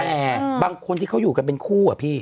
แต่บางคนที่เขาอยู่กันเป็นคู่อะพี่